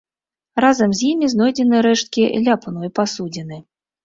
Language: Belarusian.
Разам з імі знойдзены рэшткі ляпной пасудзіны.